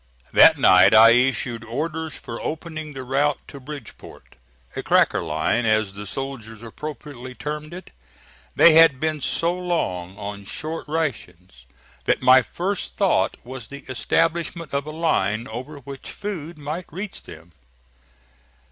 That night I issued orders for opening the route to Bridgeport a cracker line, as the soldiers appropriately termed it. They had been so long on short rations that my first thought was the establishment of a line over which food might reach them.